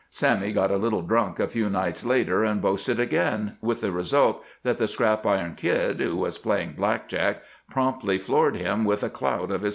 Sammy got a little drunk a few nights later and boasted again, with the result that the Scrap Iron Kid, who was playing black jack, promptly floored him with a clout of his